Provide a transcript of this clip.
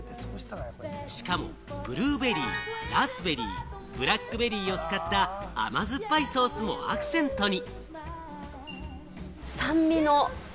しかも、ブルーベリー、ラズベリー、ブラックベリーを使った甘酸っぱいソースもアクセントに。